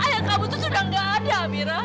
ayah kamu tuh sudah gak ada amira